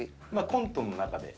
コントの中で。